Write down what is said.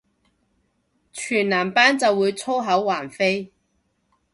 全男班就會粗口橫飛